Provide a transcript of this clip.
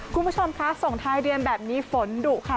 คุณผู้ชมคะส่งท้ายเดือนแบบนี้ฝนดุค่ะ